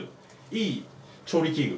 いい調理器具。